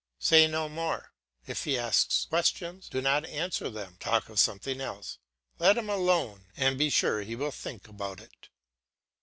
Say no more; if he asks questions, do not answer them; talk of something else. Let him alone, and be sure he will think about it.